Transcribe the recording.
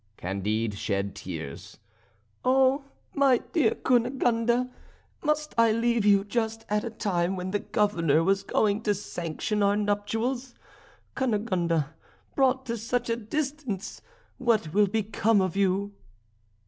Candide shed tears. "Oh! my dear Cunegonde! must I leave you just at a time when the Governor was going to sanction our nuptials? Cunegonde, brought to such a distance what will become of you?"